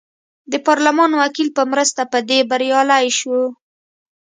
د پارلمان وکیل په مرسته په دې بریالی شو.